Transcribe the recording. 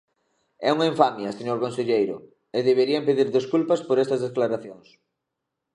É unha infamia, señor conselleiro, e deberían pedir desculpas por estas declaracións.